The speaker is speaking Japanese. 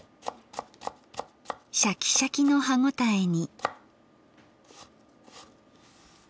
シャキシャキの歯応えに。